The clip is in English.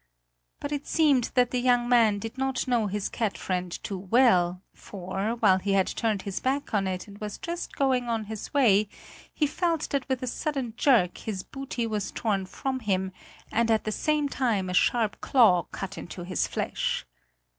But it seemed that the young man did not know his cat friend too well, for, while he had turned his back on it and was just going on his way, he felt that with a sudden jerk his booty was torn from him, and at the same time a sharp claw cut into his flesh.